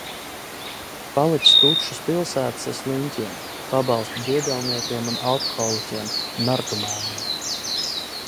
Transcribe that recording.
Paliks tukšas pilsētas ar sliņķiem, pabalstu diedelniekiem un alkoholiķiem, narkomāniem.